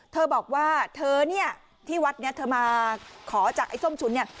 เธอบอกว่าเธอเนี่ยที่วัดนี้เธอมาขอจากไอ้ส้มฉุนเนี่ย